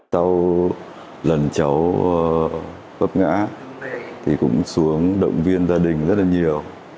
sau lần cháu bấp ngã thì cũng xuống động viên gia đình rất là nhiều